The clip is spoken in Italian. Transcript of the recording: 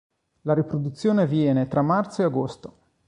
La riproduzione avviene tra marzo e agosto.